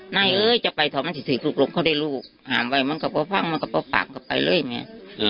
นายเอ้ยจะไปถอมมันจะถือกลุ่มเขาได้ลูกหามไว้มันก็ไปฟังมันก็ไปฝากก็ไปเลยแม่